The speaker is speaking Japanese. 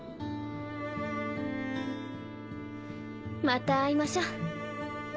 また会いましょう。